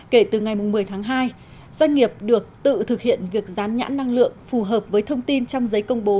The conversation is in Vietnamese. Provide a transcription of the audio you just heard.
kể từ ngày một mươi tháng hai doanh nghiệp được tự thực hiện việc gián nhãn năng lượng phù hợp với thông tin trong giấy công bố